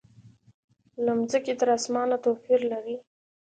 له مځکې تر اسمانه توپیر لري.